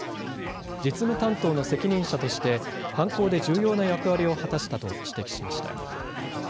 実務担当の責任者として犯行で重要な役割を果たしたと指摘しました。